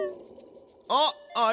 あっあれ？